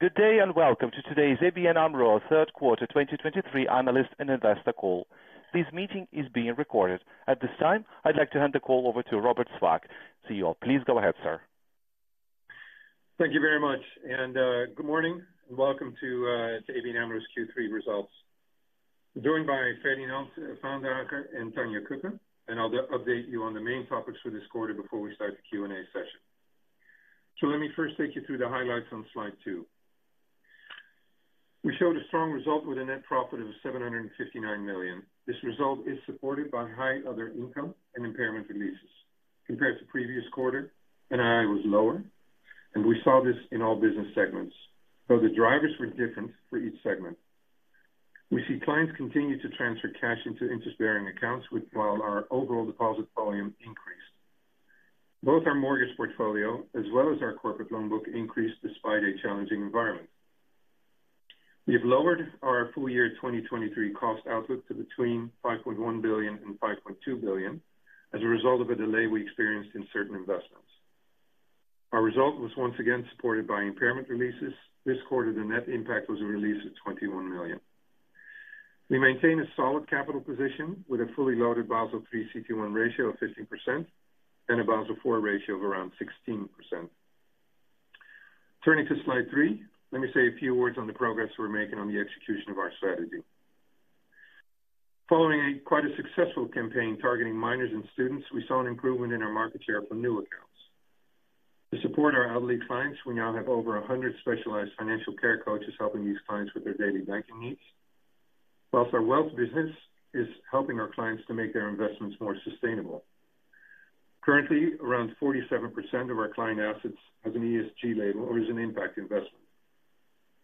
Good day, and welcome to today's ABN AMRO Q3 2023 analyst and investor call. This meeting is being recorded. At this time, I'd like to hand the call over to Robert Swaak, CEO. Please go ahead, sir. Thank you very much, and, good morning, and welcome to ABN AMRO's Q3 results. I'm joined by Ferdinand Vaandrager and Tanja Cuppen, and I'll update you on the main topics for this quarter before we start the Q&A session. So let me first take you through the highlights on slide 2. We showed a strong result with a net profit of 759 million. This result is supported by high other income and impairment releases. Compared to previous quarter, NII was lower, and we saw this in all business segments, though the drivers were different for each segment. We see clients continue to transfer cash into interest-bearing accounts, while our overall deposit volume increased. Both our mortgage portfolio, as well as our corporate loan book, increased despite a challenging environment. We have lowered our full year 2023 cost outlook to between 5.1 billion and 5.2 billion as a result of a delay we experienced in certain investments. Our result was once again supported by impairment releases. This quarter, the net impact was a release of 21 million. We maintain a solid capital position with a fully loaded Basel III CET1 ratio of 15% and a Basel IV ratio of around 16%. Turning to slide 3, let me say a few words on the progress we're making on the execution of our strategy. Following a quite successful campaign targeting minors and students, we saw an improvement in our market share for new accounts. To support our elderly clients, we now have over 100 specialized financial care coaches helping these clients with their daily banking needs, while our wealth business is helping our clients to make their investments more sustainable. Currently, around 47% of our client assets has an ESG label or is an impact investment.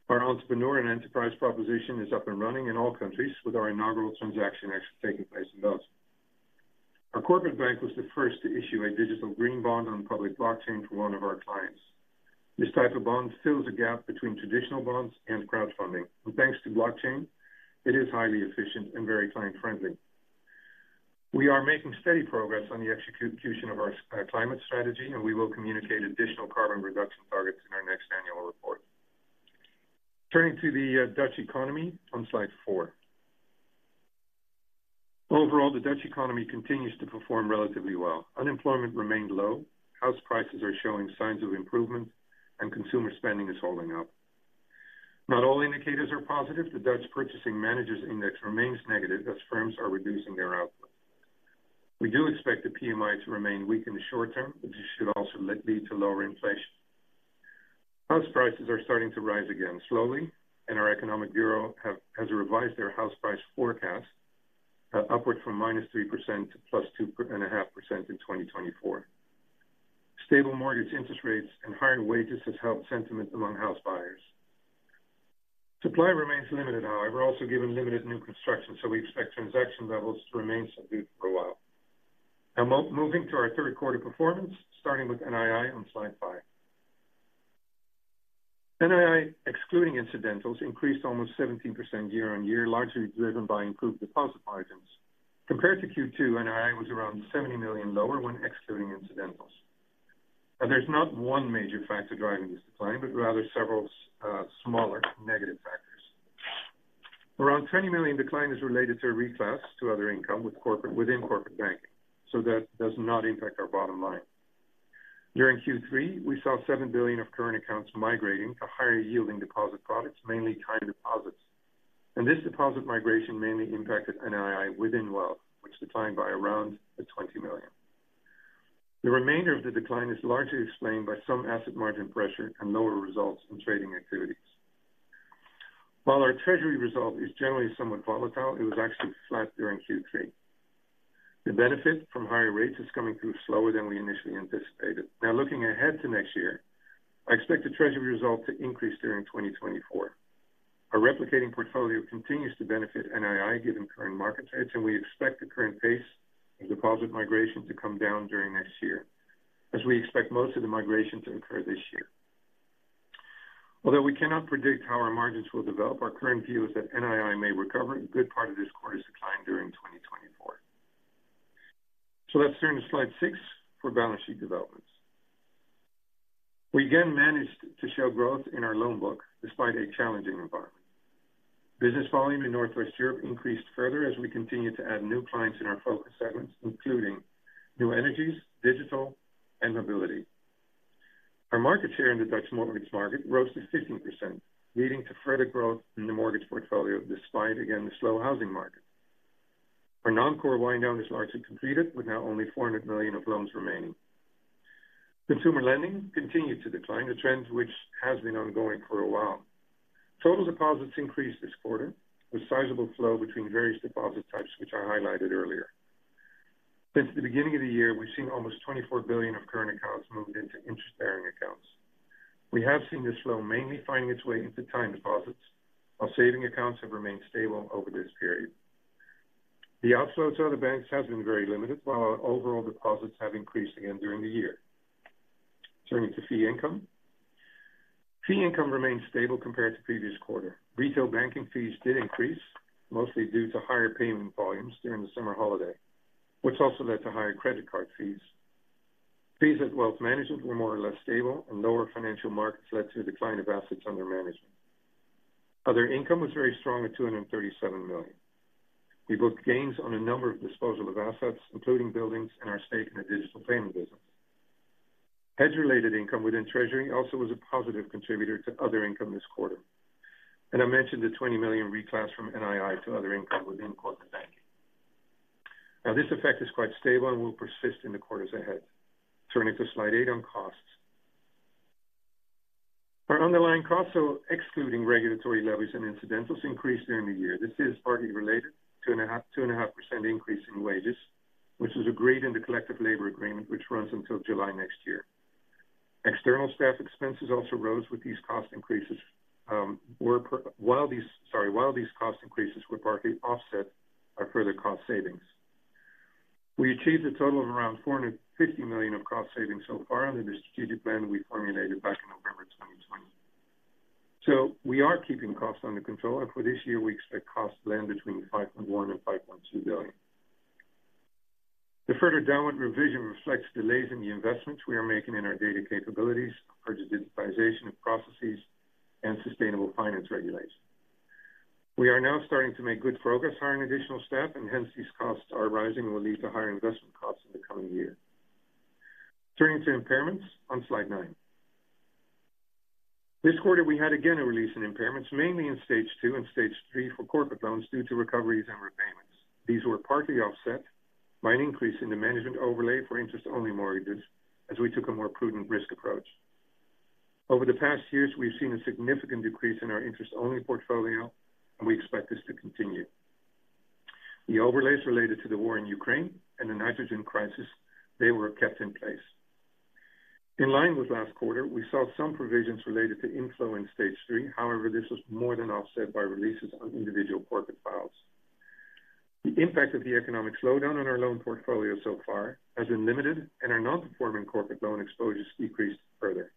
Our Entrepreneur & Enterprise proposition is up and running in all countries, with our inaugural transaction actually taking place in Belgium. Our Corporate Bank was the first to issue a digital green bond on public blockchain for one of our clients. This type of bond fills a gap between traditional bonds and crowdfunding, and thanks to blockchain, it is highly efficient and very client-friendly. We are making steady progress on the execution of our climate strategy, and we will communicate additional carbon reduction targets in our next annual report. Turning to the Dutch economy on slide 4. Overall, the Dutch economy continues to perform relatively well. Unemployment remained low, house prices are showing signs of improvement, and consumer spending is holding up. Not all indicators are positive. The Dutch Purchasing Manager's Index remains negative as firms are reducing their output. We do expect the PMI to remain weak in the short term, which should also lead to lower inflation. House prices are starting to rise again slowly, and our Economic Bureau has revised their house price forecast upward from -3% to +2.5% in 2024. Stable mortgage interest rates and higher wages has helped sentiment among house buyers. Supply remains limited, however, also given limited new construction, so we expect transaction levels to remain subdued for a while. Now moving to our Q3 performance, starting with NII on slide 5. NII, excluding incidentals, increased almost 17% year-on-year, largely driven by improved deposit margins. Compared to Q2, NII was around 70 million lower when excluding incidentals. And there's not one major factor driving this decline, but rather several smaller negative factors. Around 20 million decline is related to a reclass to other income within Corporate Banking, so that does not impact our bottom line. During Q3, we saw 7 billion of current accounts migrating to higher-yielding deposit products, mainly time deposits. And this deposit migration mainly impacted NII within Wealth, which declined by around 20 million. The remainder of the decline is largely explained by some asset margin pressure and lower results in trading activities. While our treasury result is generally somewhat volatile, it was actually flat during Q3. The benefit from higher rates is coming through slower than we initially anticipated. Now, looking ahead to next year, I expect the treasury result to increase during 2024. Our replicating portfolio continues to benefit NII, given current market rates, and we expect the current pace of deposit migration to come down during next year, as we expect most of the migration to occur this year. Although we cannot predict how our margins will develop, our current view is that NII may recover a good part of this quarter's decline during 2024. So let's turn to slide 6 for balance sheet developments. We again managed to show growth in our loan book despite a challenging environment. Business volume in Northwest Europe increased further as we continued to add new clients in our focus segments, including New Energies, Digital, and Mobility. Our market share in the Dutch mortgage market rose to 15%, leading to further growth in the mortgage portfolio, despite, again, the slow housing market. Our Non-Core wind down is largely completed, with now only 400 million of loans remaining. Consumer lending continued to decline, a trend which has been ongoing for a while. Total deposits increased this quarter, with sizable flow between various deposit types, which I highlighted earlier. Since the beginning of the year, we've seen almost 24 billion of current accounts moved into interest-bearing accounts. We have seen this flow mainly finding its way into time deposits, while savings accounts have remained stable over this period. The outflows of the banks has been very limited, while our overall deposits have increased again during the year. Turning to fee income. Fee income remains stable compared to previous quarter. Retail banking fees did increase, mostly due to higher payment volumes during the summer holiday, which also led to higher credit card fees. Fees at Wealth Management were more or less stable, and lower financial markets led to a decline of assets under management. Other income was very strong at 237 million. We booked gains on a number of disposal of assets, including buildings and our stake in the digital payment business. Hedge-related income within treasury also was a positive contributor to other income this quarter. And I mentioned the 20 million reclass from NII to other income within Corporate Banking. Now, this effect is quite stable and will persist in the quarters ahead. Turning to slide 8 on costs. Our underlying costs, so excluding regulatory levies and incidentals, increased during the year. This is partly related to a 2.5% increase in wages, which was agreed in the Collective Labor Agreement, which runs until July next year. External staff expenses also rose with these cost increases, while these cost increases were partly offset by further cost savings. We achieved a total of around 450 million of cost savings so far under the strategic plan we formulated back in November 2020. So we are keeping costs under control, and for this year we expect costs to land between 5.1 billion and 5.2 billion. The further downward revision reflects delays in the investments we are making in our data capabilities for digitization of processes and Sustainable Finance Regulation. We are now starting to make good progress hiring additional staff, and hence these costs are rising and will lead to higher investment costs in the coming year. Turning to impairments on slide 9. This quarter, we had again a release in impairments, mainly in stage two and stage three for corporate loans due to recoveries and repayments. These were partly offset by an increase in the management overlay for interest-only mortgages, as we took a more prudent risk approach. Over the past years, we've seen a significant decrease in our interest-only portfolio, and we expect this to continue. The overlays related to the war in Ukraine and the nitrogen crisis. They were kept in place. In line with last quarter, we saw some provisions related to inflow in stage three. However, this was more than offset by releases on individual corporate files. The impact of the economic slowdown on our loan portfolio so far has been limited, and our non-performing corporate loan exposures decreased further.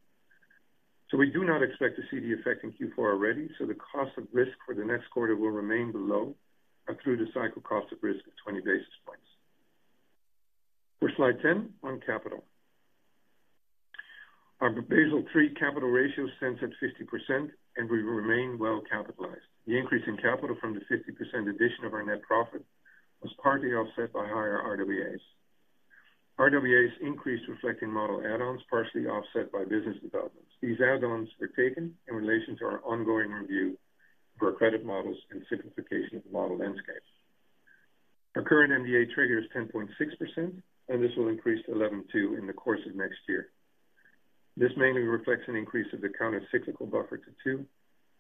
So we do not expect to see the effect in Q4 already, so the cost of risk for the next quarter will remain below our through the cycle cost of risk of 20 basis points. For slide 10 on capital. Our Basel III capital ratio stands at 50%, and we remain well capitalized. The increase in capital from the 50% addition of our net profit was partly offset by higher RWAs. RWAs increased, reflecting model add-ons, partially offset by business developments. These add-ons were taken in relation to our ongoing review for our credit models and simplification of the model landscape. Our current MDA trigger is 10.6%, and this will increase to 11.2% in the course of next year. This mainly reflects an increase of the Countercyclical Buffer to two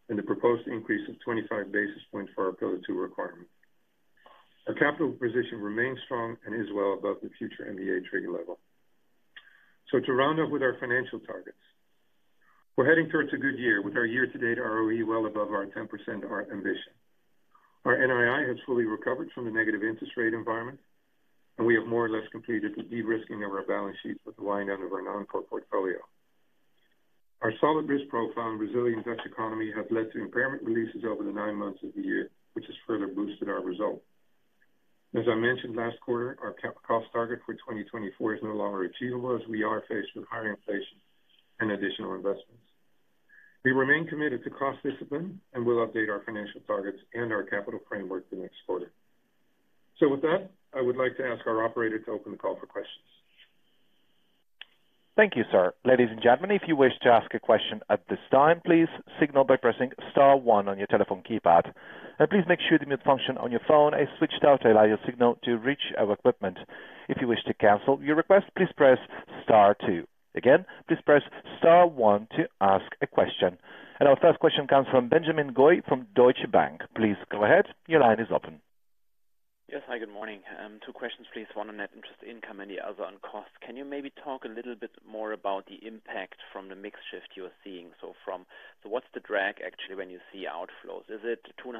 and the proposed increase of 25 basis points for our Pillar 2 Requirement. Our capital position remains strong and is well above the future MDA trigger level. So to round up with our financial targets, we're heading towards a good year with our year-to-date ROE well above our 10% ambition. Our NII has fully recovered from the negative interest rate environment, and we have more or less completed the de-risking of our balance sheet with the wind down of our Non-Core portfolio. Our solid risk profile and resilient Dutch economy have led to impairment releases over the nine months of the year, which has further boosted our result. As I mentioned last quarter, our cap cost target for 2024 is no longer achievable, as we are faced with higher inflation and additional investments. We remain committed to cost discipline, and we'll update our financial targets and our capital framework the next quarter. With that, I would like to ask our operator to open the call for questions. Thank you, sir. Ladies and gentlemen, if you wish to ask a question at this time, please signal by pressing star one on your telephone keypad. Please make sure the mute function on your phone is switched off to allow your signal to reach our equipment. If you wish to cancel your request, please press star two. Again, please press star one to ask a question. Our first question comes from Benjamin Goy from Deutsche Bank. Please go ahead. Your line is open. Yes. Hi, good morning. Two questions, please. One on net interest income and the other on costs. Can you maybe talk a little bit more about the impact from the mix shift you are seeing? So what's the drag actually, when you see outflows? Is it 2.5%,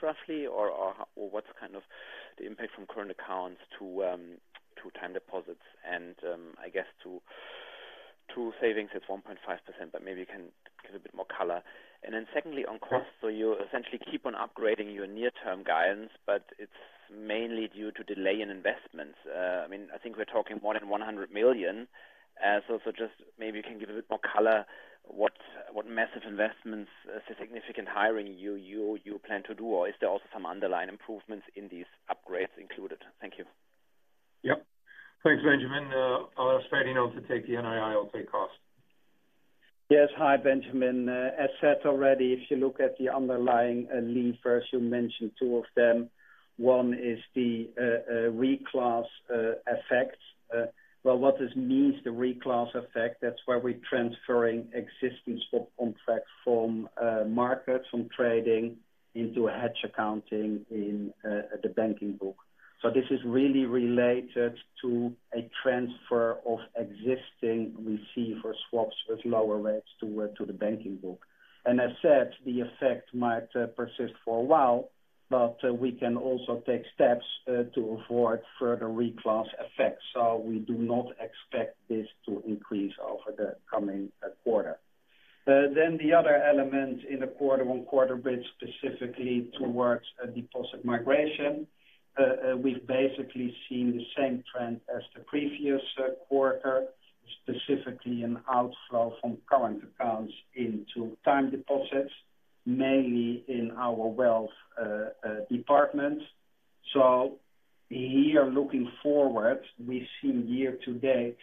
roughly? Or what's kind of the impact from current accounts to time deposits and I guess to savings at 1.5%, but maybe you can give a bit more color. And then secondly, on costs. So you essentially keep on upgrading your near-term guidance, but it's mainly due to delay in investments. I mean, I think we're talking more than 100 million. So just maybe you can give a bit more color. What massive investments, significant hiring you plan to do? Or is there also some underlying improvements in these upgrades included? Thank you. Yep. Thanks, Benjamin. I'll ask Freddy now to take the NII. I'll take costs. Yes. Hi, Benjamin. As said already, if you look at the underlying levers, you mentioned two of them. One is the reclass effects. Well, what this means, the reclass effect, that's where we're transferring existing swap contracts from market from trading into a hedge accounting in the banking book. So this is really related to a transfer of existing receiver swaps with lower rates to the banking book. And as said, the effect might persist for a while, but we can also take steps to avoid further reclass effects. So we do not expect this to increase over the coming quarter. Then the other element in the quarter-on-quarter bridge, specifically towards deposit migration. We've basically seen the same trend as the previous quarter, specifically an outflow from current accounts into time deposits, mainly in our wealth department. So here, looking forward, we've seen year-to-date,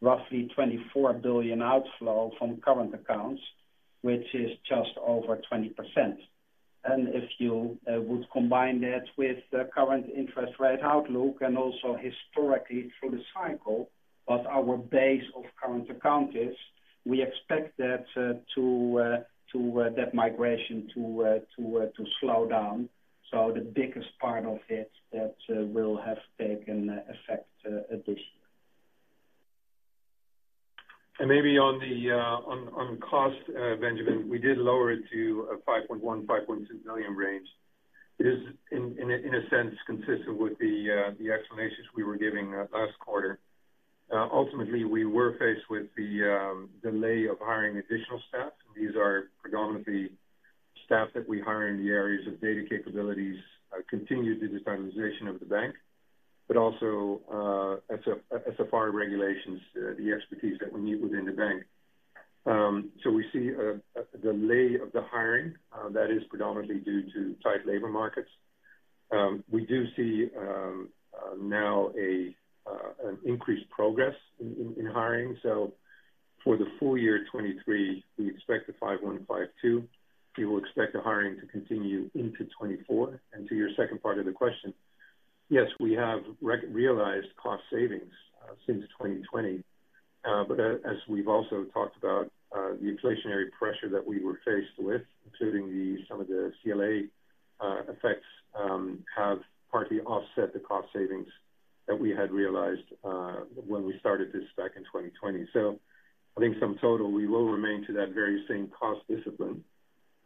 roughly 24 billion outflow from current accounts, which is just over 20%. And if you would combine that with the current interest rate outlook and also historically through the cycle of our base of current account is, we expect that migration to slow down. So the biggest part of it that will have taken effect this year. Maybe on the cost, Benjamin, we did lower it to a 5.1 to 5.2 billion range. It is, in a sense, consistent with the explanations we were giving last quarter. Ultimately, we were faced with the delay of hiring additional staff. These are predominantly staff that we hire in the areas of data capabilities, continued digitization of the bank, but also, as a, as SFR regulations, the expertise that we need within the bank. So we see a delay of the hiring that is predominantly due to tight labor markets. We do see now an increased progress in hiring. So for the full year 2023, we expect a 5.1 to 5.2 billion. We will expect the hiring to continue into 2024. And to your second part of the question, yes, we have realized cost savings since 2020. But as we've also talked about, the inflationary pressure that we were faced with, including some of the CLA effects, have partly offset the cost savings that we had realized when we started this back in 2020. So I think sum total, we will remain to that very same cost discipline,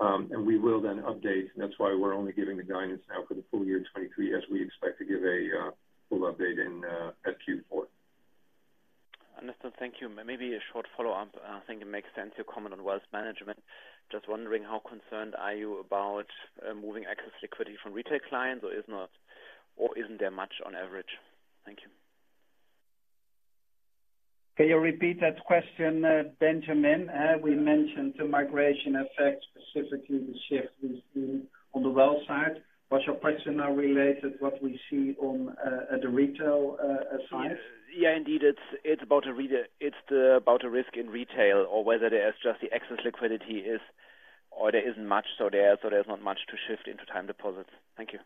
and we will then update. That's why we're only giving the guidance now for the full year 2023, as we expect to give a full update in at Q4. Understood. Thank you. Maybe a short follow-up. I think it makes sense to comment on Wealth Management. Just wondering, how concerned are you about moving excess liquidity from retail clients, or isn't there much on average? Thank you. Can you repeat that question, Benjamin? We mentioned the migration effect, specifically the shift we've seen on the wealth side. But your question now related what we see on at the retail side? Yeah, indeed. It's about a risk in retail or whether there's just the excess liquidity is or there isn't much, so there's not much to shift into time deposits. Thank you.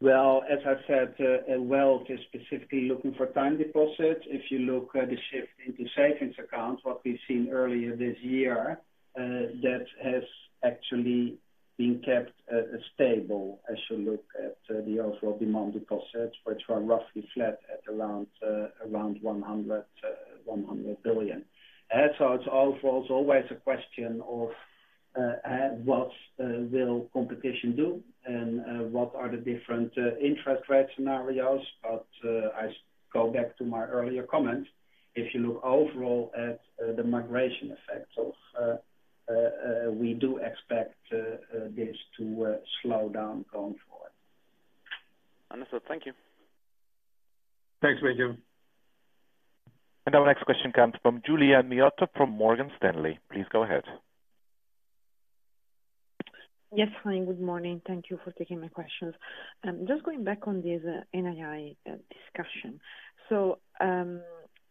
Well, as I said, wealth is specifically looking for time deposits. If you look at the shift into savings accounts, what we've seen earlier this year, that has actually been kept stable as you look at the overall demand deposits, which are roughly flat at around 100 billion. So it's also always a question of what will competition do and what are the different interest rate scenarios? But I go back to my earlier comment, if you look overall at the migration effect of we do expect this to slow down going forward. Understood. Thank you. Thanks, Benjamin. Our next question comes from Giulia Miotto from Morgan Stanley. Please go ahead. Yes, hi, good morning. Thank you for taking my questions. Just going back on this NII discussion. So,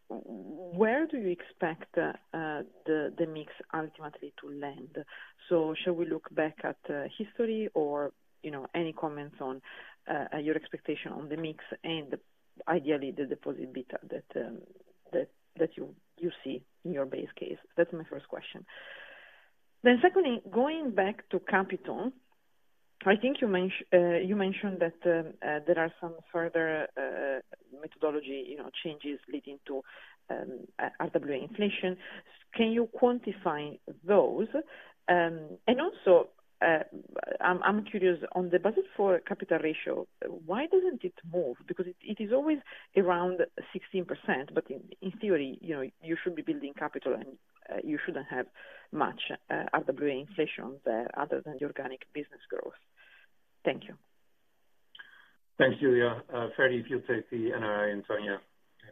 where do you expect the mix ultimately to land? So shall we look back at history or, you know, any comments on your expectation on the mix and ideally the deposit beta that you see in your base case? That's my first question. Then secondly, going back to capital, I think you mentioned that there are some further methodology, you know, changes leading to RWA inflation. Can you quantify those? And also, I'm curious, on the budget for capital ratio, why doesn't it move? Because it is always around 16%, but in theory, you know, you should be building capital, and you shouldn't have much RWA inflation there other than the organic business growth. Thank you. Thanks, Giulia. Freddy, if you'll take the NII, and Tanja,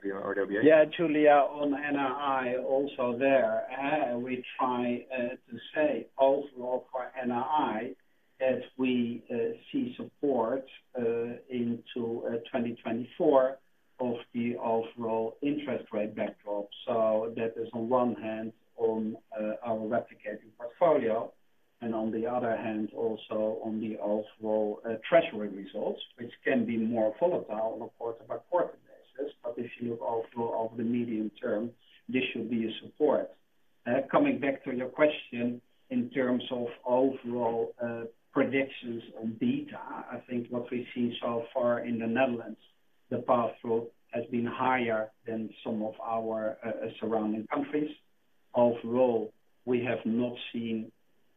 maybe RWA. Yeah, Giulia, on NII, also there, we try to say overall for NII, as we see support into 2024 of the overall interest rate backdrop. So that is on one hand on our replicating portfolio and on the other hand, also on the overall treasury results, which can be more volatile, of course, about quarter basis. But if you look overall of the medium term, this should be a support. Coming back to your question, in terms of overall predictions on beta, I think what we've seen so far in the Netherlands, the path flow has been higher than some of our surrounding countries. Overall, we have not seen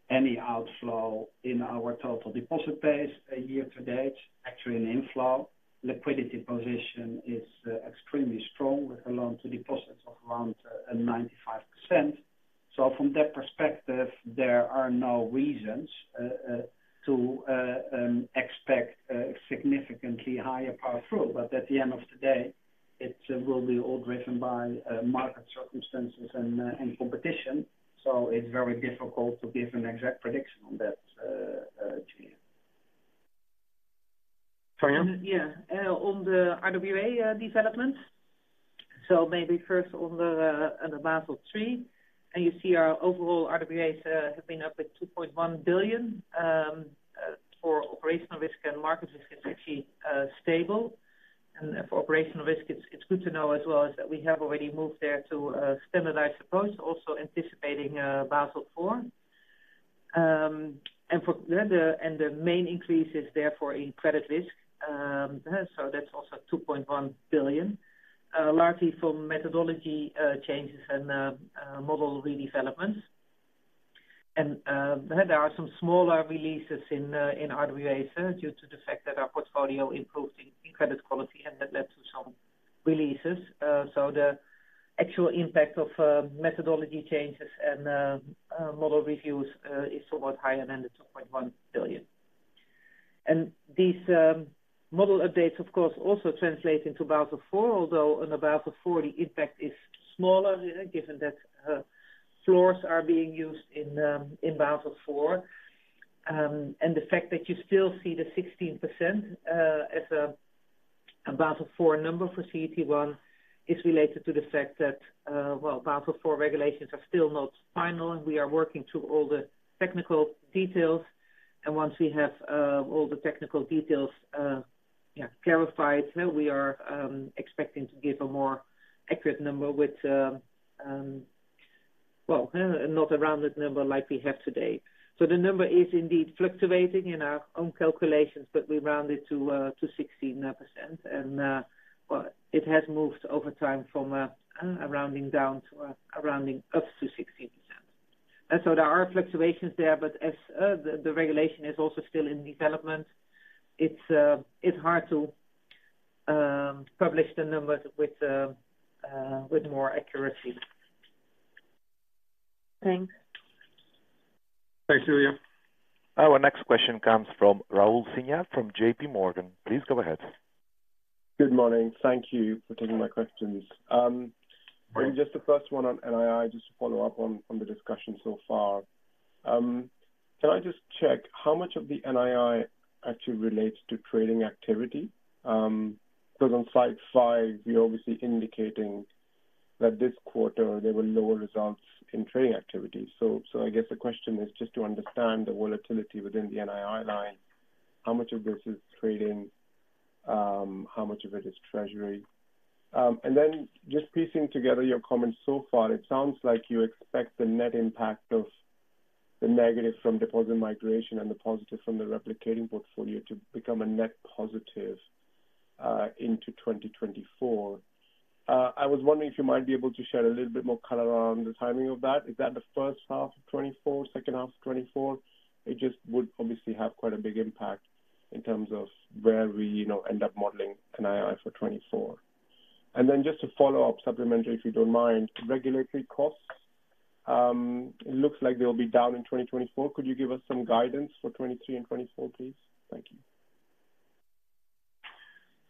any outflow in our total deposit base a year to date, actually an inflow. Liquidity position is extremely strong, with a loan to deposits of around 95%. So from that perspective, there are no reasons to expect significantly higher power through. But at the end of the day, it will be all driven by market circumstances and competition. So it's very difficult to give an exact prediction on that to you. Sorry, yeah. Yeah, on the RWA development. So maybe first on the Basel III, and you see our overall RWAs have been up with 2.1 billion. For operational risk and market risk, it's actually stable. And for operational risk, it's good to know as well, is that we have already moved there to a standardized approach, also anticipating Basel IV. And the main increase is therefore in credit risk. So that's also 2.1 billion, largely from methodology changes and model redevelopments. And there are some smaller releases in RWA due to the fact that our portfolio improved in credit quality, and that led to some releases. So the actual impact of methodology changes and model reviews is somewhat higher than the 2.1 billion. And these model updates, of course, also translate into Basel IV, although on the Basel IV, the impact is smaller, given that floors are being used in Basel IV. And the fact that you still see the 16% as a Basel IV number for CET1 is related to the fact that well, Basel IV regulations are still not final, and we are working through all the technical details. And once we have all the technical details yeah, clarified, we are expecting to give a more accurate number with well, not a rounded number like we have today. So the number is indeed fluctuating in our own calculations, but we round it to 16%. And well, it has moved over time from a rounding down to a rounding up to 16%. And so there are fluctuations there, but as the regulation is also still in development, it's hard to publish the numbers with more accuracy. Thanks. Thanks, Julia. Our next question comes from Raul Sinha from JPMorgan. Please go ahead. Good morning. Thank you for taking my questions. Just the first one on NII, just to follow up on the discussion so far. Can I just check how much of the NII actually relates to trading activity? Because on slide 5, you're obviously indicating that this quarter there were lower results in trading activities. So I guess the question is just to understand the volatility within the NII line, how much of this is trading, how much of it is treasury? And then just piecing together your comments so far, it sounds like you expect the net impact of the negative from deposit migration and the positive from the replicating portfolio to become a net positive into 2024. I was wondering if you might be able to share a little bit more color on the timing of that. Is that in H1 of 2024, H2 of 2024? It just would obviously have quite a big impact in terms of where we, you know, end up modeling NII for 2024. And then just to follow up, supplementary, if you don't mind, regulatory costs. It looks like they'll be down in 2024. Could you give us some guidance for 2023 and 2024, please? Thank you.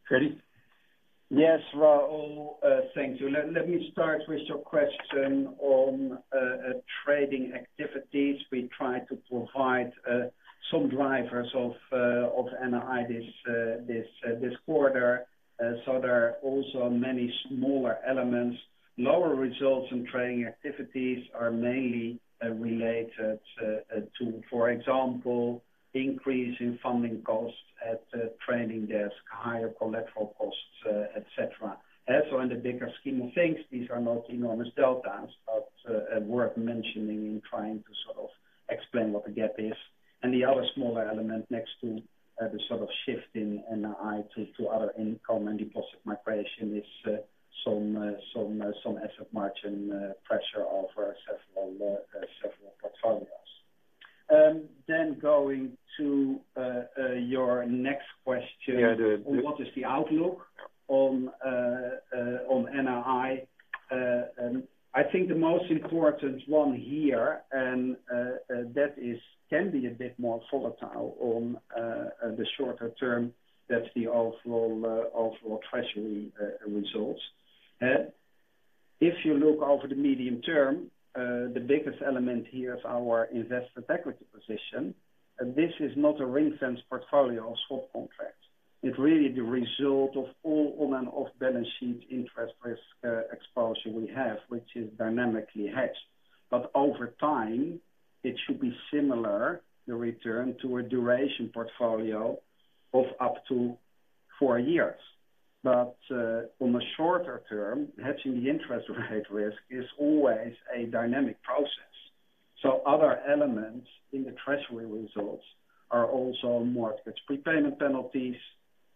Freddy? Yes, Raul, thank you. Let me start with your question on trading activities. We tried to provide some drivers of NII this quarter. So there are also many smaller elements. Lower results in trading activities are mainly related to, for example, increase in funding costs at the trading desk, higher collateral costs, et cetera. So in the bigger scheme of things, these are not enormous deltas, but worth mentioning in trying to sort of explain what the gap is. And the other smaller element next to the sort of shift in NII to other income and deposit migration is some asset margin pressure over several portfolios. Then going to your next question- Yeah, the- On what is the outlook on NII. I think the most important one here, and, that is, can be a bit more volatile on the shorter term, that's the overall, overall treasury results. If you look over the medium term, the biggest element here is our investment equity position. This is not a ring-fenced portfolio or swap contract. It's really the result of all on and off-balance sheet interest risk exposure we have, which is dynamically hedged. But over time, it should be similar, the return, to a duration portfolio of up to four years. But, on the shorter term, hedging the interest rate risk is always a dynamic process. So other elements in the treasury results are also mortgage prepayment penalties-...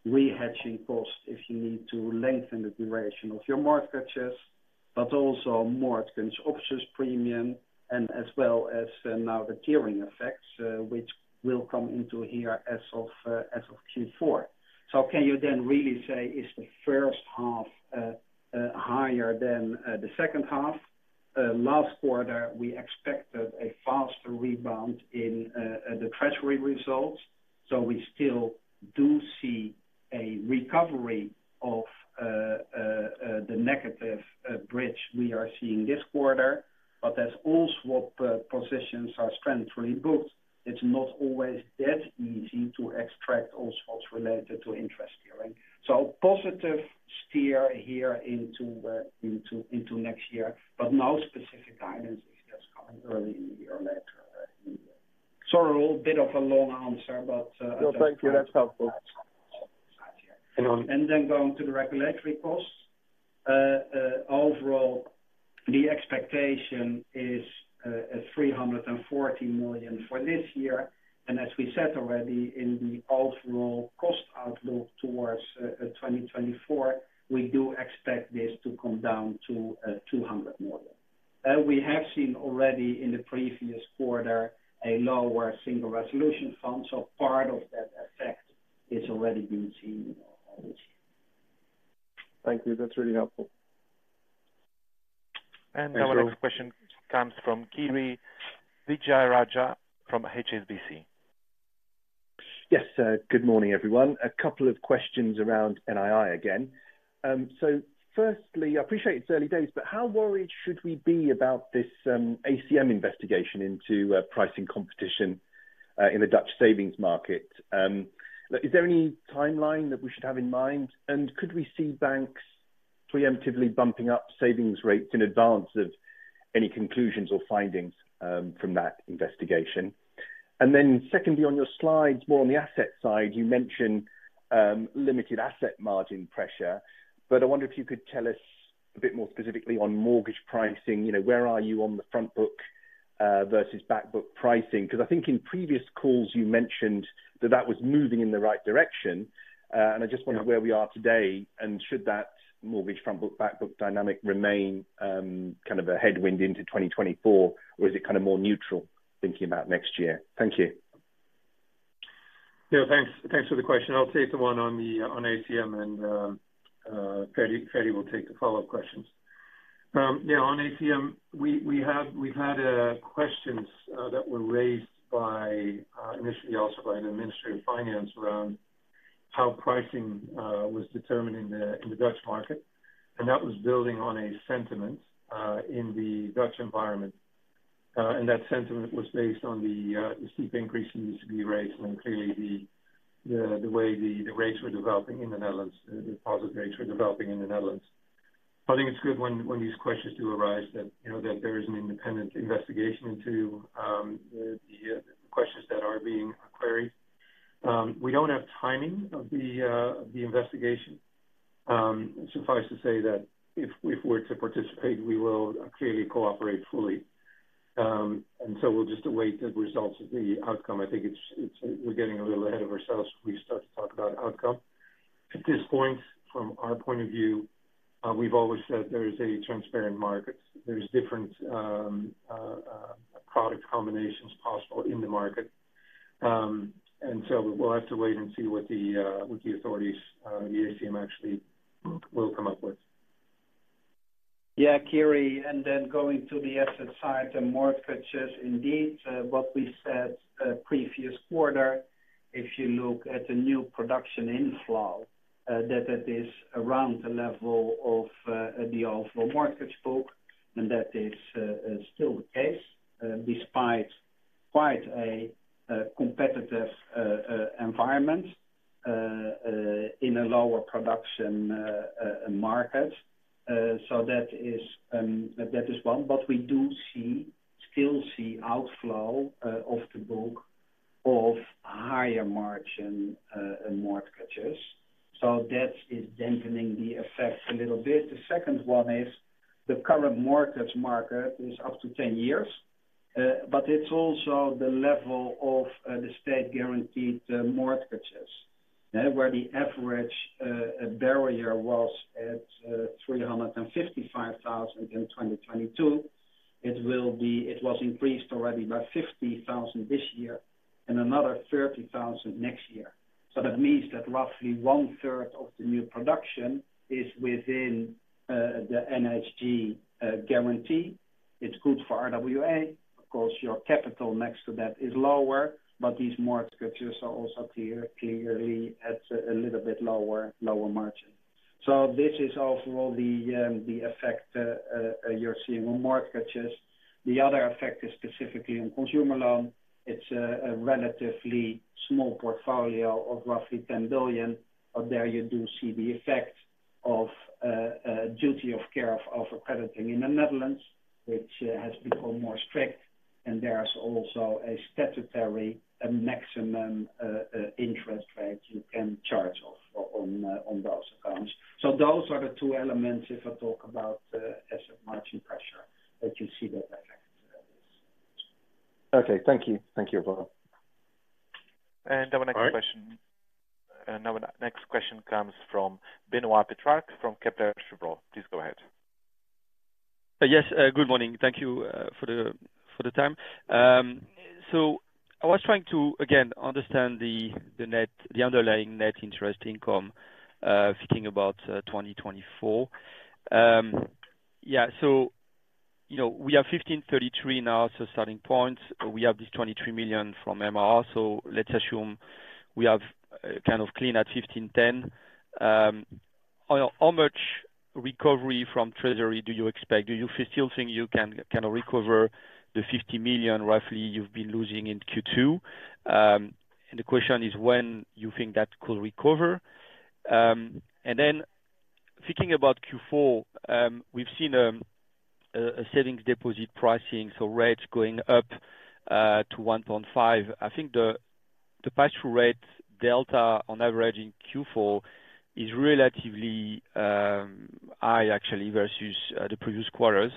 Re-hedging costs if you need to lengthen the duration of your mortgages, but also more expensive options premium and as well as, now the tiering effects, which will come into here as of, as of Q4. So can you then really say is H1 higher than H2? Last quarter, we expected a faster rebound in the treasury results, so we still do see a recovery of the negative bridge we are seeing this quarter. But as all swap positions are strongly booked, it's not always that easy to extract all swaps related to interest tiering. So positive steer here into next year, but no specific guidance is just coming early or later. Sorry, a little bit of a long answer, but, No, thank you. That's helpful. Then going to the regulatory costs. Overall, the expectation is 340 million for this year. As we said already in the overall cost outlook towards 2024, we do expect this to come down to 200 million. We have seen already in the previous quarter a lower Single Resolution Fund, so part of that effect is already being seen on this year. Thank you. That's really helpful. Our next question comes from Kiri Vijayarajah from HSBC. Yes, good morning, everyone. A couple of questions around NII again. So firstly, I appreciate it's early days, but how worried should we be about this ACM investigation into pricing competition in the Dutch savings market? Is there any timeline that we should have in mind? And could we see banks preemptively bumping up savings rates in advance of any conclusions or findings from that investigation? And then secondly, on your slides, more on the asset side, you mentioned limited asset margin pressure, but I wonder if you could tell us a bit more specifically on mortgage pricing. You know, where are you on the front book versus back book pricing? Because I think in previous calls, you mentioned that that was moving in the right direction, and I just wonder where we are today, and should that mortgage front book, back book dynamic remain, kind of a headwind into 2024, or is it kind of more neutral thinking about next year? Thank you. Yeah, thanks. Thanks for the question. I'll take the one on the, on ACM and, Freddy will take the follow-up questions. Yeah, on ACM, we have-- we've had questions that were raised by, initially also by the Ministry of Finance, around how pricing was determined in the Dutch market. And that was building on a sentiment in the Dutch environment. And that sentiment was based on the the steep increase in ECB rates, and then clearly the way the rates were developing in the Netherlands, the deposit rates were developing in the Netherlands. I think it's good when these questions do arise, that, you know, that there is an independent investigation into the questions that are being queried. We don't have timing of the investigation. Suffice to say that if we're to participate, we will clearly cooperate fully. And so we'll just await the results of the outcome. I think we're getting a little ahead of ourselves if we start to talk about outcome. At this point, from our point of view, we've always said there is a transparent market. There's different product combinations possible in the market. And so we'll have to wait and see what the authorities, the ACM actually will come up with. Yeah, Kiri, and then going to the asset side and mortgages, indeed, what we said previous quarter, if you look at the new production inflow, that it is around the level of the overall mortgage book, and that is still the case, despite quite a competitive environment in a lower production market. So that is one. But we do see, still see outflow of the book of higher margin mortgages. So that is dampening the effect a little bit. The second one is the current mortgage market is up to 10 years, but it's also the level of the state-guaranteed mortgages, where the average barrier was at 355,000 in 2022. It was increased already by 50,000 this year and another 30,000 next year. So that means that roughly one-third of the new production is within the NHG guarantee. It's good for RWA. Of course, your capital next to that is lower, but these mortgages are also clear, clearly at a little bit lower, lower margin. So this is overall the effect you're seeing on mortgages. The other effect is specifically on consumer loan. It's a relatively small portfolio of roughly 10 billion, but there you do see the effect of duty of care of crediting in the Netherlands, which has become more strict, and there's also a statutory maximum interest rate you can charge on those accounts. So those are the two elements. If I talk about asset margin pressure, that you see that effect.... Okay, thank you. Thank you, bye. Our next question. Now the next question comes from Benoît Pétrarque from Kepler Cheuvreux. Please go ahead. Yes, good morning. Thank you for the time. So I was trying to again understand the underlying net interest income thinking about 2024. Yeah, so you know, we are 1,533 million now, so starting point, we have this 23 million from MR. So let's assume we have kind of clean at 1,510 million. How much recovery from treasury do you expect? Do you still think you can kind of recover the 50 million roughly you've been losing in Q2? And the question is when you think that could recover? And then thinking about Q4, we've seen a savings deposit pricing, so rates going up to 1.5. I think the pass-through rate delta on average in Q4 is relatively high actually versus the previous quarters.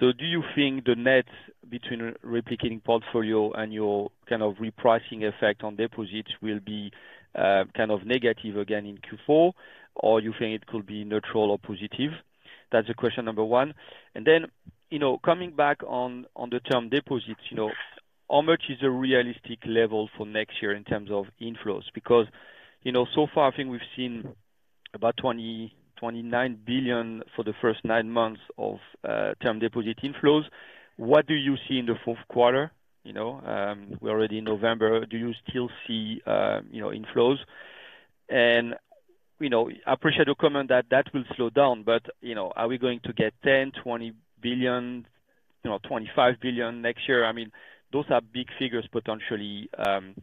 So do you think the net between replicating portfolio and your kind of repricing effect on deposits will be kind of negative again in Q4, or you think it could be neutral or positive? That's a question number one. And then, you know, coming back on, on the term deposits, you know, how much is a realistic level for next year in terms of inflows? Because, you know, so far, I think we've seen about 29 billion for the first nine months of term deposit inflows. What do you see in Q4? You know, we're already in November. Do you still see, you know, inflows? And, you know, I appreciate your comment that that will slow down, but, you know, are we going to get 10 billion, 20 billion, you know, 25 billion next year? I mean, those are big figures, potentially.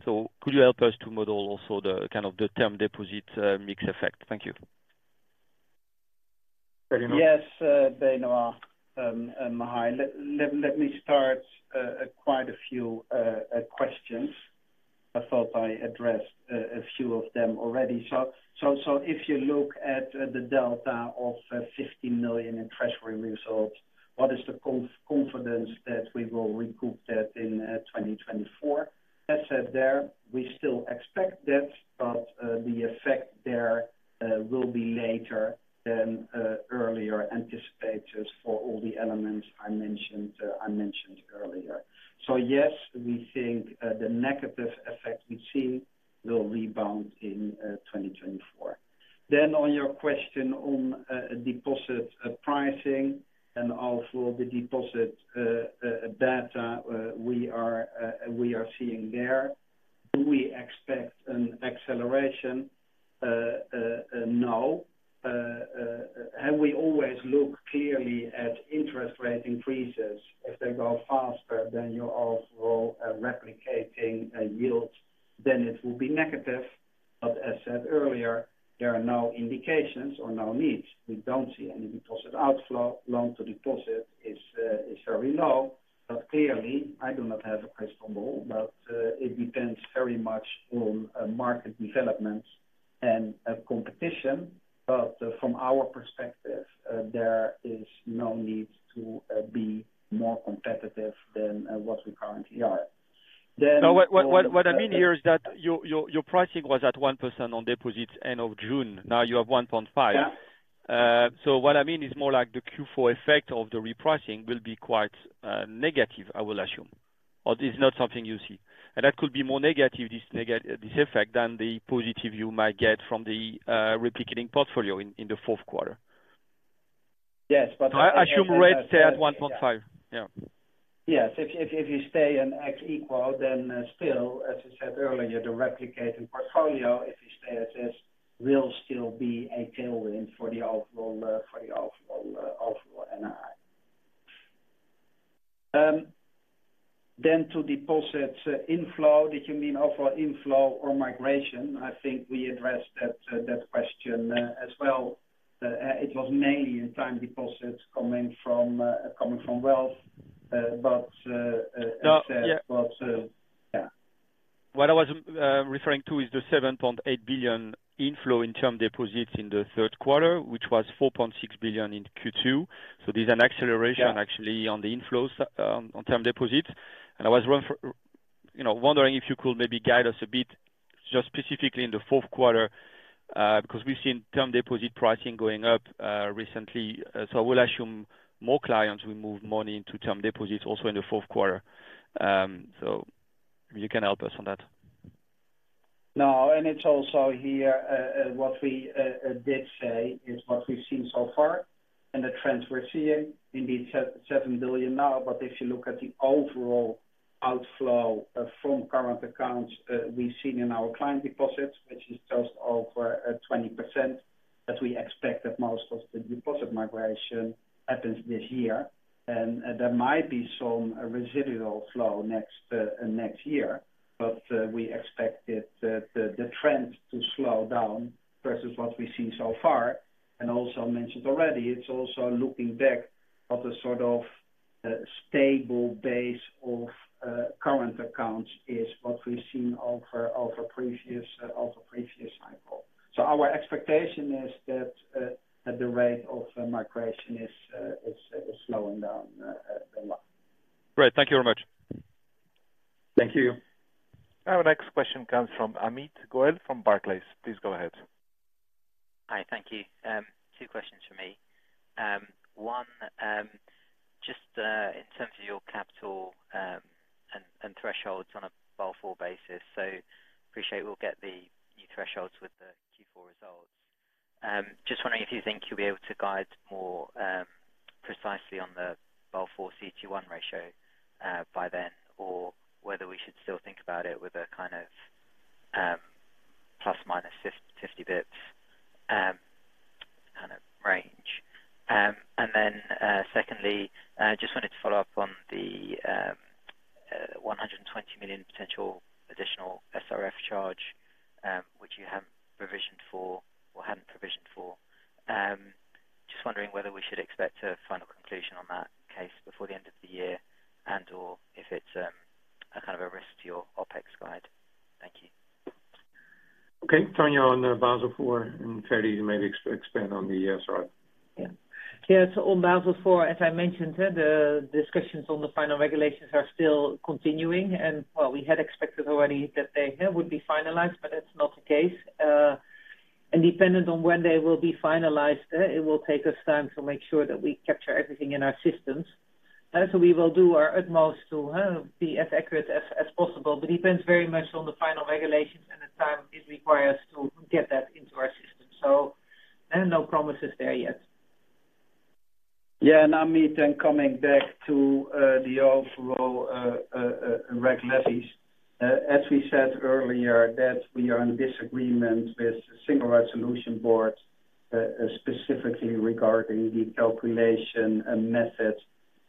Could you help us to model also the kind of the term deposit mix effect? Thank you. Yes, Benoit, hi. Let me start, quite a few questions. I thought I addressed a few of them already. So if you look at the delta of 15 million in treasury results, what is the confidence that we will recoup that in 2024? That said there, we still expect that, but the effect there will be later than earlier anticipated for all the elements I mentioned earlier. So yes, we think the negative effect we see will rebound in 2024. Then on your question on deposit pricing and also the deposit data we are seeing there, do we expect an acceleration? No. And we always look clearly at interest rate increases. If they go faster than your overall replicating yields, then it will be negative. But as said earlier, there are no indications or no needs. We don't see any deposit outflow. Loan to deposit is very low, but clearly I do not have a crystal ball, but it depends very much on market developments and competition. But from our perspective, there is no need to be more competitive than what we currently are. Then- No, what I mean here is that your pricing was at 1% on deposits end of June. Now you have 1.5. Yeah. So what I mean is more like the Q4 effect of the repricing will be quite negative, I will assume, or it's not something you see. And that could be more negative, this effect, than the positive you might get from the replicating portfolio in the Q4. Yes, but- I assume rates stay at 1.5. Yeah. Yes. If you stay in status quo, then still, as I said earlier, the replicating portfolio, if you stay as is, will still be a tailwind for the overall, for the overall NII. Then to deposit inflow, did you mean overall inflow or migration? I think we addressed that question, as well. It was mainly in time deposits coming from Wealth. But, as said- Yeah. But, yeah. What I was referring to is the 7.8 billion inflow in term deposits in Q3, which was 4.6 billion in Q2. So there's an acceleration- Yeah... actually on the inflows, on term deposits. And I was wondering, you know, if you could maybe guide us a bit just specifically in Q4, because we've seen term deposit pricing going up, recently. So I will assume more clients will move money into term deposits also in Q4. So if you can help us on that. No, and it's also here, what we did say is what we've seen so far and the trends we're seeing. Indeed, 7 billion now, but if you look at the overall outflow from current accounts we've seen in our client deposits, which is just over 20%, that we expect that most of the deposit migration happens this year. And there might be some residual flow next year, but we expect it, the trend to slow down versus what we've seen so far. And also mentioned already, it's also looking back at the sort of stable base of current accounts is what we've seen over previous cycle. So our expectation is that that the rate of migration is slowing down a lot. Great. Thank you very much. ... Thank you. Our next question comes from Amit Goel from Barclays. Please go ahead. So we will do our utmost to be as accurate as possible, but depends very much on the final regulations and the time it requires to get that into our system. So, and no promises there yet. Yeah, and Amit, then coming back to the overall reg levies. As we said earlier, that we are in disagreement with the Single Resolution Board, specifically regarding the calculation and method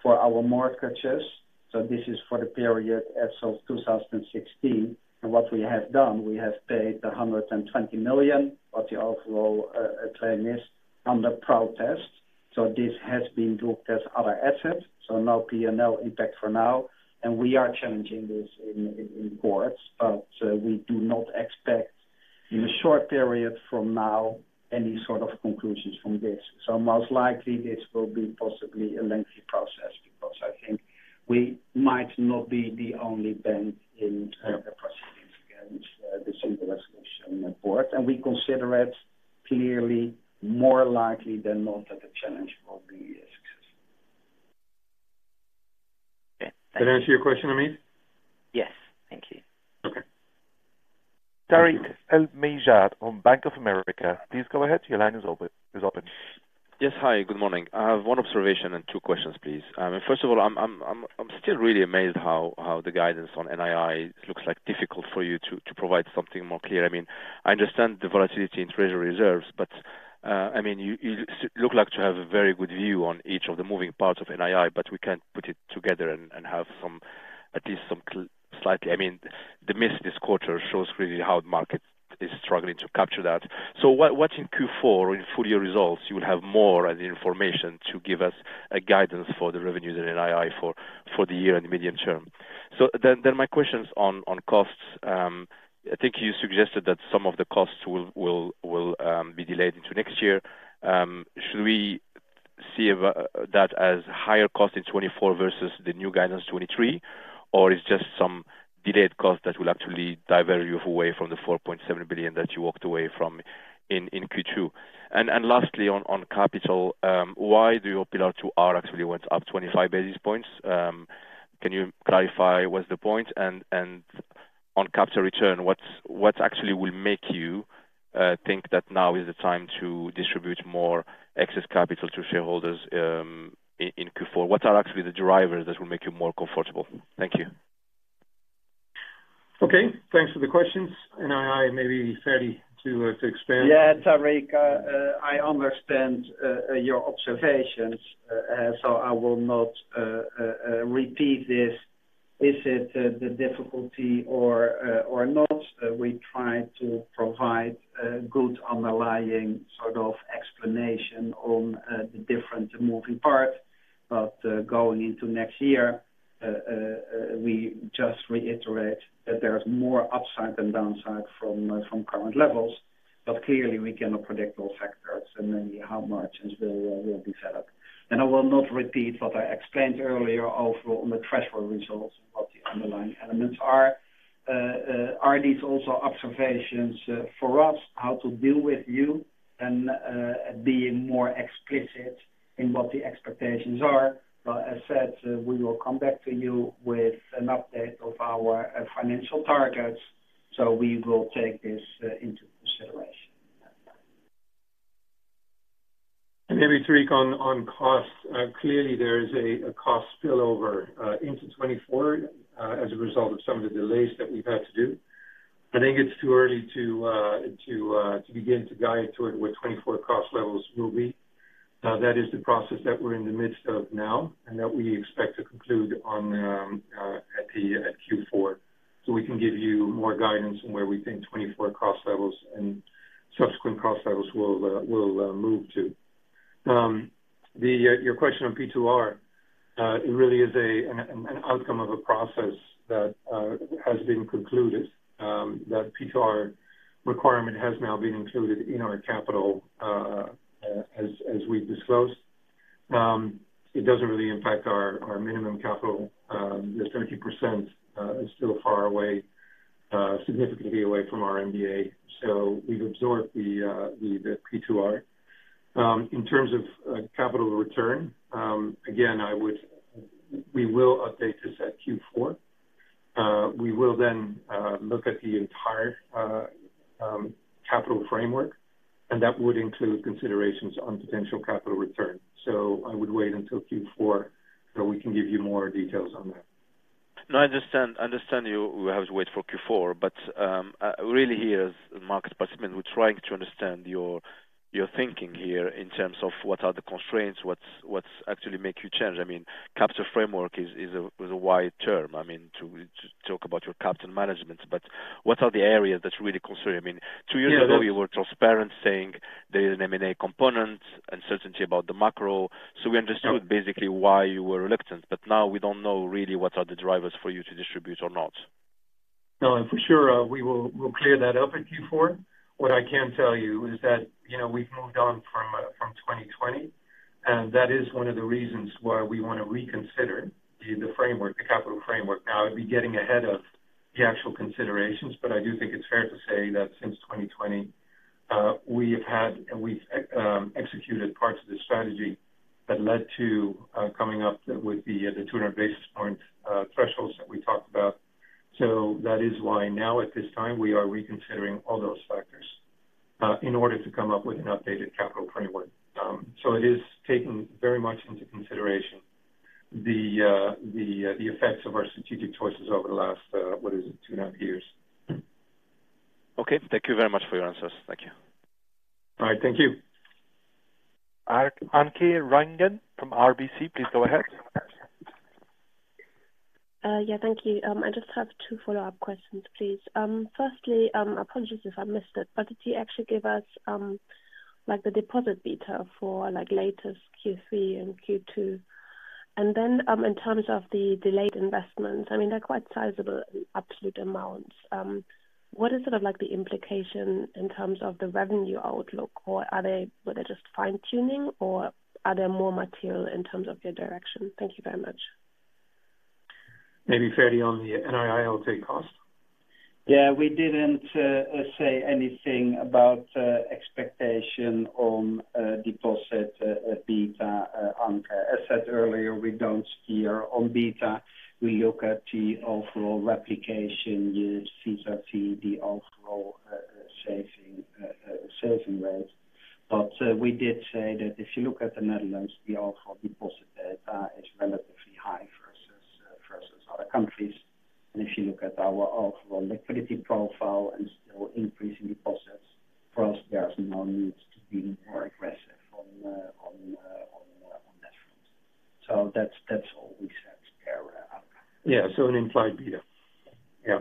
for our mortgages. So this is for the period as of 2016. What we have done, we have paid 120 million of the overall claim under protest. So this has been booked as other assets, so no P&L impact for now, and we are challenging this in courts, but we do not expect in the short period from now, any sort of conclusions from this. So most likely this will be possibly a lengthy process, because I think we might not be the only bank in the proceedings against the Single Resolution Board, and we consider it clearly more likely than not, that the challenge will be a success. Okay. Thank you. Did I answer your question, Amit? Yes. Thank you. Okay. Tarik El Mejjad on Bank of America, please go ahead. Your line is open. Yes. Hi, good morning. I have one observation and two questions, please. First of all, I'm still really amazed how the guidance on NII looks like, difficult for you to provide something more clear. I mean, I understand the volatility in treasury reserves, but I mean, you look like to have a very good view on each of the moving parts of NII, but we can't put it together and have some, at least some I mean, the miss this quarter shows really how the market is struggling to capture that. So what in Q4, in full year results, you will have more as information to give us a guidance for the revenues in NII for the year and the medium term? So then my questions on costs. I think you suggested that some of the costs will be delayed into next year. Should we see that as higher cost in 2024 versus the new guidance 2023, or it's just some delayed cost that will actually divert you away from the 4.7 billion that you walked away from in Q2? And lastly, on capital, why did your P2R actually go up 25 basis points? Can you clarify what's the point? And on capital return, what actually will make you think that now is the time to distribute more excess capital to shareholders in Q4? What are actually the drivers that will make you more comfortable? Thank you. Okay, thanks for the questions. NII, maybe Ferdinand to expand. Yeah, Tarik, I understand your observations, so I will not repeat this. Is it the difficulty or not? We try to provide a good underlying sort of explanation on the different moving parts. But going into next year, we just reiterate that there's more upside than downside from current levels, but clearly we cannot predict those factors and then how much is will, will be developed. And I will not repeat what I explained earlier, overall, on the threshold results and what the underlying elements are. Are these also observations for us, how to deal with you and being more explicit in what the expectations are. But as said, we will come back to you with an update of our financial targets, so we will take this into consideration. And maybe, Tarik, on costs, clearly there is a cost spillover into 2024 as a result of some of the delays that we've had to do. I think it's too early to begin to guide toward what 2024 cost levels will be. That is the process that we're in the midst of now, and that we expect to conclude on at Q4. So we can give you more guidance on where we think 2024 cost levels and subsequent cost levels will move to. Your question on P2R, it really is an outcome of a process that has been concluded. That P2R requirement has now been included in our capital, as we've disclosed.... It doesn't really impact our minimum capital. This 30% is still far away, significantly away from our MDA. So we've absorbed the P2R. In terms of capital return, again, we will update this at Q4. We will then look at the entire capital framework, and that would include considerations on potential capital return. So I would wait until Q4, so we can give you more details on that. No, I understand. I understand you, we have to wait for Q4, but really here as a market participant, we're trying to understand your thinking here in terms of what are the constraints, what's actually make you change. I mean, capital framework is a wide term. I mean, to talk about your capital management, but what are the areas that really concern you? I mean, two years ago, you were transparent, saying there is an M&A component, uncertainty about the macro. So we understood basically why you were reluctant, but now we don't know really what are the drivers for you to distribute or not. No, for sure, we will, we'll clear that up at Q4. What I can tell you is that, you know, we've moved on from, from 2020, and that is one of the reasons why we want to reconsider the framework, the capital framework. Now, I'd be getting ahead of the actual considerations, but I do think it's fair to say that since 2020, we have had, and we've executed parts of the strategy that led to, coming up with the 200 basis point thresholds that we talked about. So that is why now, at this time, we are reconsidering all those factors, in order to come up with an updated capital framework. So it is taking very much into consideration the effects of our strategic choices over the last, what is it? 2.5 years. Okay. Thank you very much for your answers. Thank you. All right, thank you. Anke Reingen from RBC, please go ahead. Yeah, thank you. I just have two follow-up questions, please. Firstly, apologies if I missed it, but did you actually give us, like, the deposit beta for, like, latest Q3 and Q2? And then, in terms of the delayed investments, I mean, they're quite sizable in absolute amounts. What is sort of like the implication in terms of the revenue outlook, or are they-- were they just fine-tuning, or are there more material in terms of your direction? Thank you very much. Maybe Ferdy on the NII. I'll take cost. Yeah, we didn't say anything about expectation on deposit beta, Anke. As said earlier, we don't steer on beta. We look at the overall replication, you see the overall saving rate. But we did say that if you look at the Netherlands, the overall deposit beta is relatively high versus other countries. And if you look at our overall liquidity profile and still increasing deposits, for us, there's no need to be more aggressive on that front. So that's all we said there, Anke. Yeah, so an implied beta. Yeah.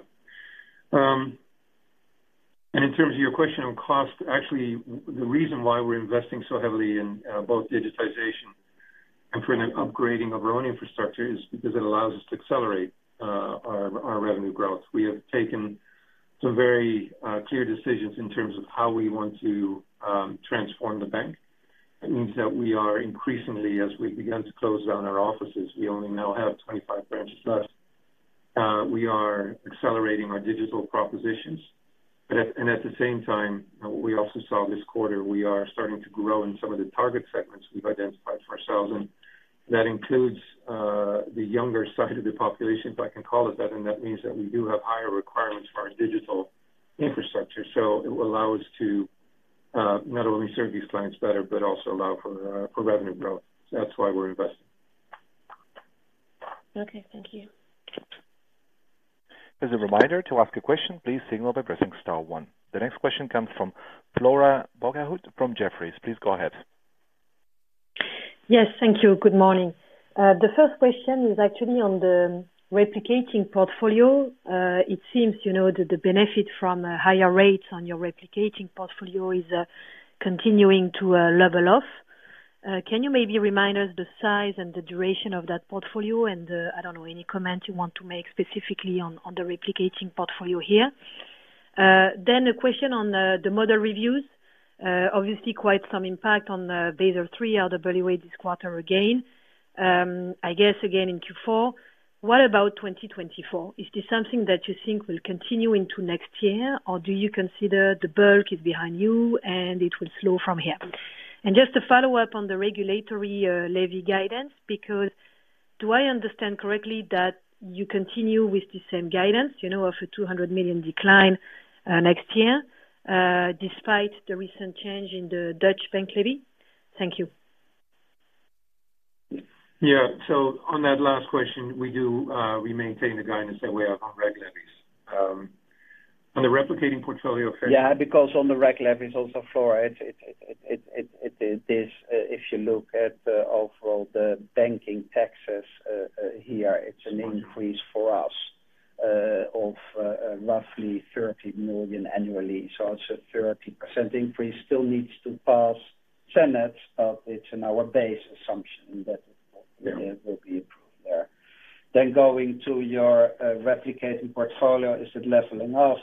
And in terms of your question on cost, actually, the reason why we're investing so heavily in both digitization and for an upgrading of our own infrastructure is because it allows us to accelerate our revenue growth. We have taken some very clear decisions in terms of how we want to transform the bank. It means that we are increasingly, as we begin to close down our offices, we only now have 25 branches left. We are accelerating our digital propositions, but at... At the same time, we also saw this quarter, we are starting to grow in some of the target segments we've identified for ourselves, and that includes, the younger side of the population, if I can call it that, and that means that we do have higher requirements for our digital infrastructure. So it will allow us to, not only serve these clients better, but also allow for, for revenue growth. That's why we're investing. Okay, thank you. As a reminder, to ask a question, please signal by pressing star one. The next question comes from Flora Bocahut from Jefferies. Please go ahead. Yes, thank you. Good morning. The first question is actually on the replicating portfolio. It seems, you know, that the benefit from higher rates on your replicating portfolio is continuing to level off. Can you maybe remind us the size and the duration of that portfolio? And, I don't know, any comments you want to make specifically on the replicating portfolio here. Then a question on the model reviews. Obviously, quite some impact on the Basel III or the RWA this quarter again, I guess again in Q4. What about 2024? Is this something that you think will continue into next year, or do you consider the bulk is behind you and it will slow from here? Just to follow up on the regulatory levy guidance, because do I understand correctly that you continue with the same guidance, you know, of a 200 million decline next year, despite the recent change in the Dutch bank levy? Thank you. Yeah. So on that last question, we do, we maintain the guidance that we have on reg levies. On the replicating portfolio- Yeah, because on the reg levies also, Flora, it is, if you look at overall the banking taxes here, it's an increase for us of roughly 30 million annually. So it's a 30% increase, still needs to pass Senate, but it's in our base assumption that it will be approved there. Then going to your replicating portfolio, is it leveling off?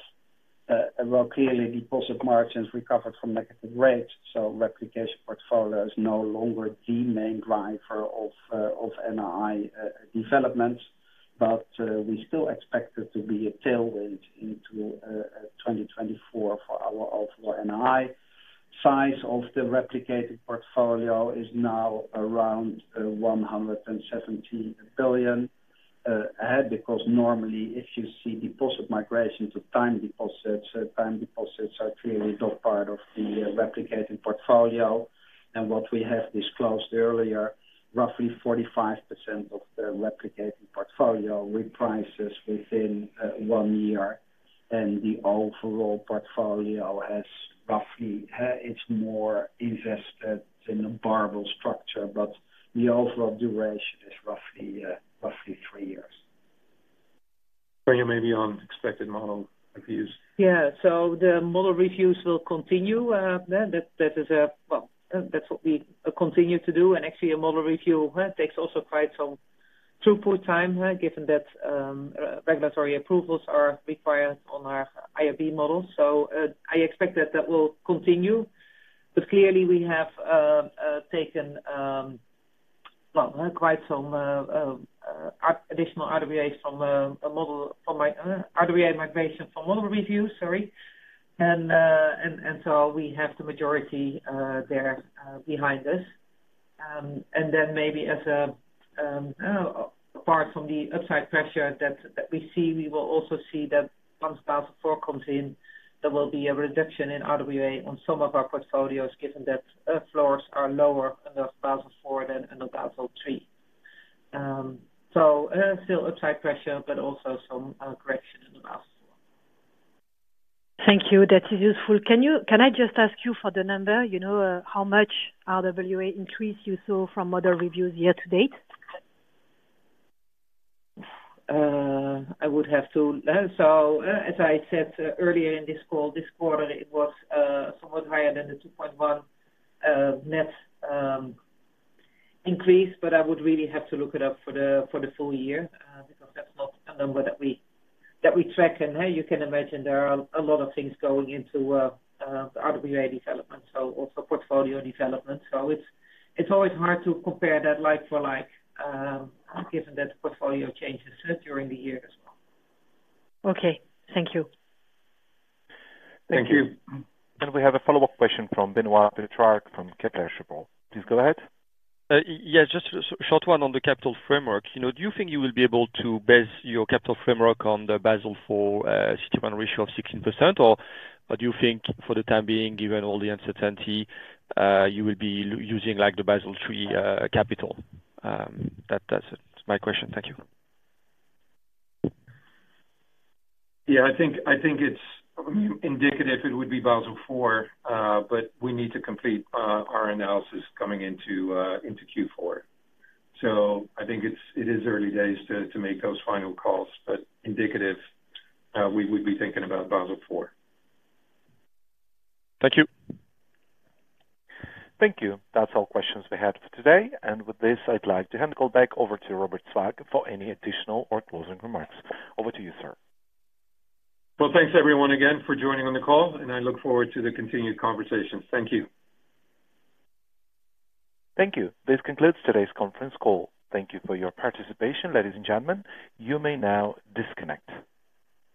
Well, clearly, deposit margins recovered from negative rates, so replicating portfolio is no longer the main driver of NII developments. But, we still expect it to be a tailwind into 2024 for our overall NII. Size of the replicating portfolio is now around 170 billion, because normally, if you see deposit migration to time deposits, time deposits are clearly not part of the replicating portfolio. And what we have disclosed earlier, roughly 45% of the replicating portfolio reprices within 1 year, and the overall portfolio has roughly, it's more invested in a barbell structure, but the overall duration is roughly, roughly 3 years. Maybe on expected model reviews. Yeah. So the model reviews will continue. Well, that's what we continue to do. And actually, a model review takes also quite some throughput time, given that regulatory approvals are required on our IB models. So, I expect that that will continue. But clearly, we have taken, well, quite some additional RWAs from a model from RWA migration from model reviews, sorry. And so we have the majority there behind us. And then maybe, apart from the upside pressure that we see, we will also see that once Basel IV comes in, there will be a reduction in RWA on some of our portfolios, given that floors are lower under Basel IV than under Basel III. Still upside pressure, but also some correction in the Basel. Thank you. That is useful. Can I just ask you for the number, you know, how much RWA increase you saw from model reviews year to date? I would have to... So, as I said earlier in this call, this quarter, it was somewhat higher than the 2.1 net increase, but I would really have to look it up for the, for the full year, because that's not a number that we, that we track. And, hey, you can imagine there are a lot of things going into the RWA development, so also portfolio development. So it's, it's always hard to compare that like for like, given that the portfolio changes during the year as well. Okay. Thank you. Thank you. We have a follow-up question from Benoit Petrarque from Kepler Cheuvreux. Please go ahead. Yeah, just a short one on the capital framework. You know, do you think you will be able to base your capital framework on the Basel IV CET1 ratio of 16%? Or, but do you think for the time being, given all the uncertainty, you will be using like the Basel III capital? That, that's my question. Thank you. Yeah, I think it's indicative it would be Basel IV, but we need to complete our analysis coming into Q4. So I think it is early days to make those final calls, but indicative, we would be thinking about Basel IV. Thank you. Thank you. That's all questions we had for today. With this, I'd like to hand the call back over to Robert Swaak for any additional or closing remarks. Over to you, sir. Well, thanks everyone again for joining on the call, and I look forward to the continued conversations. Thank you. Thank you. This concludes today's conference call. Thank you for your participation, ladies and gentlemen. You may now disconnect.